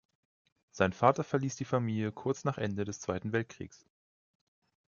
Sein Vater verließ die Familie kurz nach Ende des Zweiten Weltkriegs.